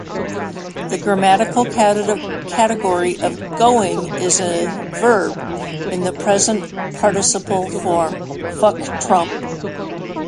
The grammatical category of "going" is a verb, in the present participle form.